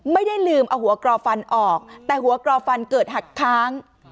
ไม่ได้ลืมเอาหัวกรอฟันออกแต่หัวกรอฟันเกิดหักค้าง